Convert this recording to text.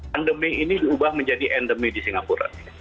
pandemi ini diubah menjadi endemi di singapura